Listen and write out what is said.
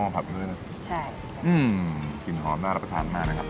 ผัดไปด้วยนะใช่อืมกลิ่นหอมน่ารับประทานมากนะครับ